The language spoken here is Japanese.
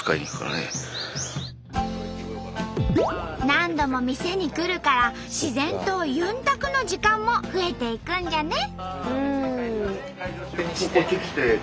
何度も店に来るから自然とゆんたくの時間も増えていくんじゃね！